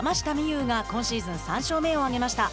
有が今シーズン３勝目を挙げました。